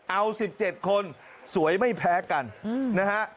เอา๑๗คนสวยไม่แพ้กันนะฮะ